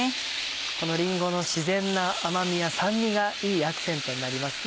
このりんごの自然な甘みや酸味がいいアクセントになりますね。